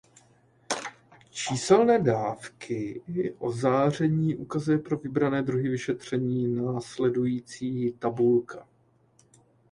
Číselné dávky ozáření ukazuje pro vybrané druhy vyšetření následující tabulka.